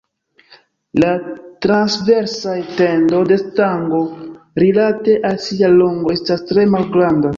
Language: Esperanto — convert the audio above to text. La transversa etendo de stango rilate al sia longo estas tre malgranda.